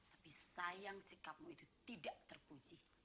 tapi sayang sikapmu itu tidak terpuji